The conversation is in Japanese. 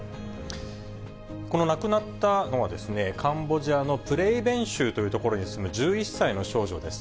この亡くなったのは、カンボジアのプレイベン州という所に住む１１歳の少女です。